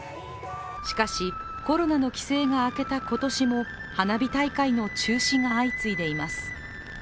しかし、コロナの規制が明けた今年も花火大会の中止が相次いでいます。